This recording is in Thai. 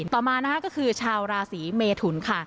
ต่อมานะคะก็คือชาวราศีเมทุนค่ะ